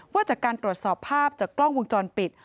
ว่าจากการตรวจสอบภาพจากกล้องวงจรปิด